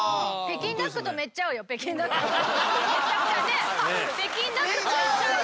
北京ダックとめっちゃ相性いい。